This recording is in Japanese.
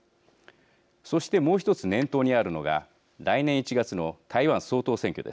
そしてもう一つ念頭にあるのが来年１月の台湾総統選挙です。